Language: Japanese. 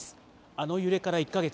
あの揺れから１か月。